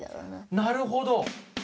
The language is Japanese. なるほど。